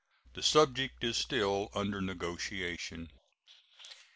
The subject is still under negotiation.